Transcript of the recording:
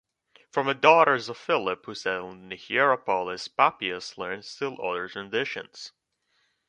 From the daughters of Philip, who settled in Hierapolis, Papias learned still other traditions.